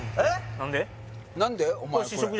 何で？